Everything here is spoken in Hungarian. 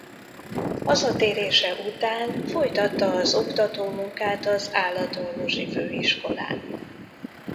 Hazatérése után folytatta az oktatómunkát az Állatorvosi Főiskolán.